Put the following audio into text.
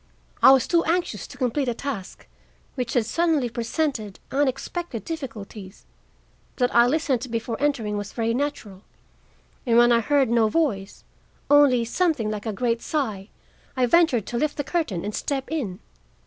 I was too anxious to complete a task which had suddenly presented unexpected difficulties. That I listened before entering was very natural, and when I heard no voice, only something like a great sigh, I ventured to lift the curtain and step in.